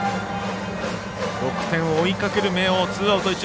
６点を追いかける明桜ツーアウト、一塁。